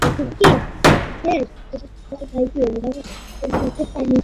তিনি ঐ পুস্তকের বিষয়গুলোতে দক্ষতা অর্জন করেন।